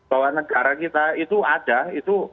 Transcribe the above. bahwa negara kita itu ada itu